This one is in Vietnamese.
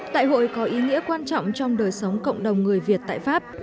đại hội có ý nghĩa quan trọng trong đời sống cộng đồng người việt tại pháp